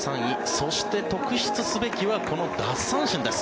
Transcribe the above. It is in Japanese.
そして、特筆すべきはこの奪三振です。